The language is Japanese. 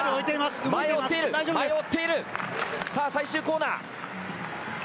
最終コーナー。